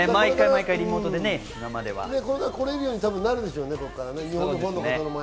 今後、来られるようになるでしょうね。